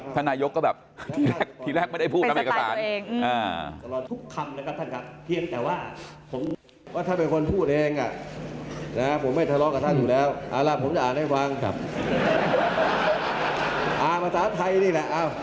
ถ้านายกก็แบบที่แรกไม่ได้พูดเรื่องเอกสาร